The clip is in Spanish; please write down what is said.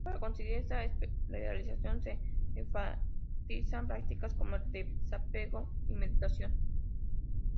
Para conseguir esta realización se enfatizan prácticas como el desapego y meditación.